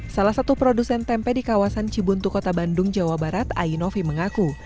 salah satu produsen tempe di kawasan cibuntu kota bandung jawa barat ainovi mengaku